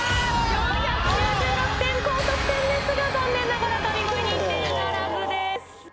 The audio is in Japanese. ４９６点、高得点ですが、残念ながら神声認定ならずです。